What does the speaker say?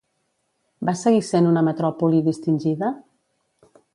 Va seguir sent una metròpoli distingida?